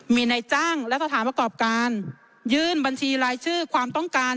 มีนายจ้างและสถานประกอบการยื่นบัญชีรายชื่อความต้องการ